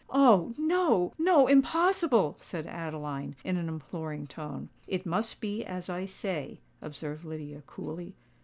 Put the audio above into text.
"Oh! no—no: impossible!" said Adeline, in an imploring tone. "It must be as I say," observed Lydia, coolly.